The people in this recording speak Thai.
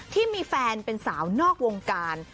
ที่มีแฟนเป็นสาวนอกวงการ